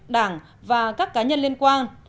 đảng và các cá nhân liên quan